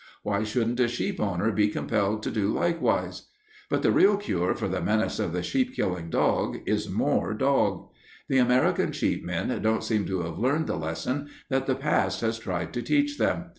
Why shouldn't a sheep owner be compelled to do likewise? But the real cure for the menace of the sheep killing dog is more dog. The American sheep men don't seem to have learned the lesson that the past has tried to teach them.